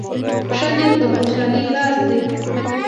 ښه نیت د خوشحالۍ راز دی.